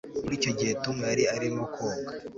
muri icyo gihe, tom yari arimo koga